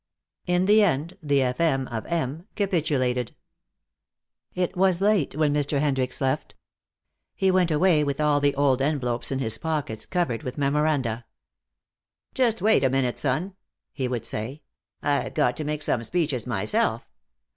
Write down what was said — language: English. In the end the F.M. of M. capitulated. It was late when Mr. Hendricks left. He went away with all the old envelopes in his pockets covered with memoranda. "Just wait a minute, son," he would say. "I've got to make some speeches myself.